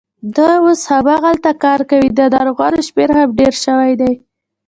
دوی اوس هماغلته کار کوي، د ناروغانو شمېر هم ډېر شوی دی.